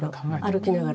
歩きながら。